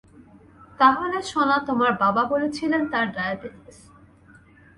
তাহলে শোনা তোমার বাবা বলেছিলেন তাঁর ডায়াবেটিস।